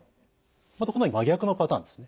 またこの真逆のパターンですね。